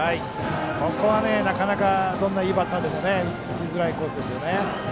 今のはどんないいバッターでも打ちづらいコースでしたね。